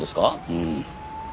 うん。